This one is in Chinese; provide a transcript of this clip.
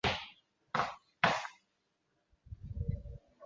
卡梅伦领导的保守党随后宣布了相同的政策。